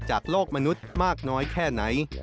จากโลกมนุษย์มากน้อยแค่ไหน